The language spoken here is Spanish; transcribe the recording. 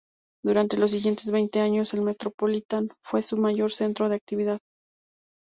Durante los siguientes veinte años, el Metropolitan fue su mayor centro de actividad.